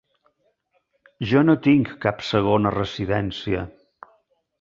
Jo no tinc cap segona residència.